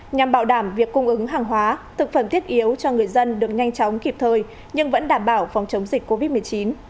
nhằm bảo đảm việc cung ứng hàng hóa thực phẩm thiết yếu cho người dân được nhanh chóng kịp thời nhưng vẫn đảm bảo phòng chống dịch covid một mươi chín